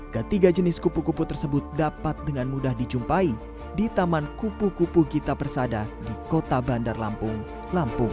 ketiga jenis kupu kupu tersebut dapat dengan mudah dijumpai di taman kupu kupu gita persada di kota bandar lampung lampung